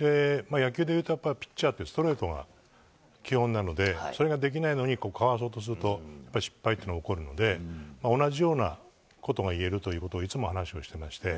野球でいうとピッチャーってストライクが基本なのでそれができないのにかわそうとすると失敗が起こるので同じようなことが言えるといつも話をしていまして。